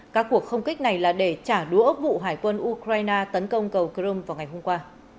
các cuộc không kích này là để trả đũa vụ hải quân ukraine tấn công cầu crimea vào ngày hôm qua